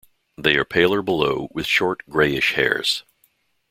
They are paler below, with short, grayish hairs.